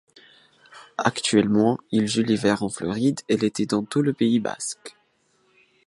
Actuellement il joue l'hiver en Floride et l'été dans tout le Pays-Basque.